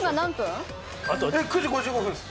９時５５分です。